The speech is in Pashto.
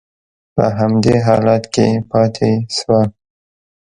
په همدې حالت کې پاتې شوه.